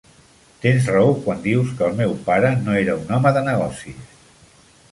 Tens raó quan dius que el meu pare no era un home de negocis.